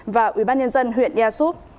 và ubnd huyện gia súp